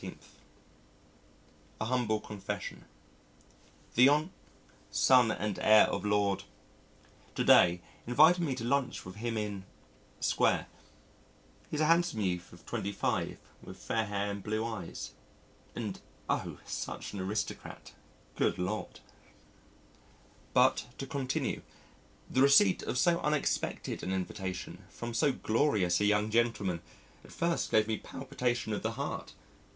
A Humble Confession The Hon. , son and heir of Lord , to day invited me to lunch with him in Square. He's a handsome youth of twenty five, with fair hair and blue eyes.... and O! such an aristocrat. Good Lord. But to continue: the receipt of so unexpected an invitation from so glorious a young gentleman at first gave me palpitation of the heart.